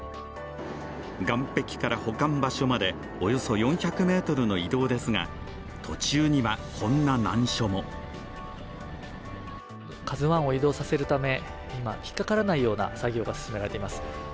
岸壁から保管場所までおよそ４００ｍの移動ですが、途中には、こんな難所も「ＫＡＺＵⅠ」を移動させるため、今引っかからないような作業が進められています。